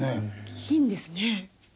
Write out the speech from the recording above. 金ですね。